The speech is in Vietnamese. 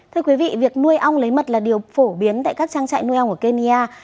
thưa quý vị việc nuôi ong lấy mật là điều phổ biến tại các trang trại nuôi ong ở kenya